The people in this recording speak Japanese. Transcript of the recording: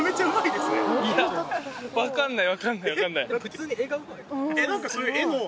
いや分かんない。